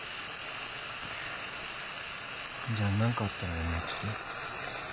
じゃあ何かあったら連絡して。